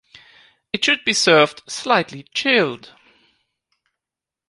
It should be served slightly chilled.